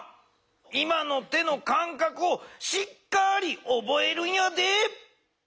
今の手のかんかくをしっかりおぼえるんやで。